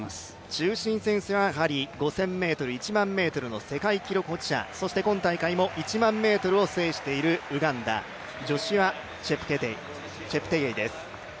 中心選手は５０００ｍ、１００００ｍの世界記録保持者、そして今大会も１００００ｍを制しているウガンダ、ジョシュア・チェプテゲイです。